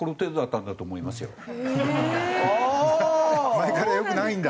前から良くないんだ。